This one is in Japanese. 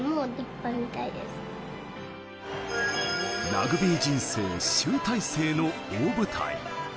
ラグビー人生、集大成の大舞台。